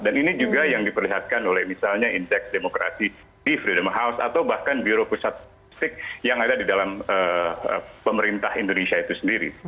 dan ini juga yang diperlihatkan oleh misalnya indeks demokrasi di freedom house atau bahkan biro pusat statistik yang ada di dalam pemerintah indonesia itu sendiri